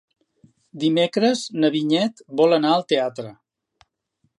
Dimecres na Vinyet vol anar al teatre.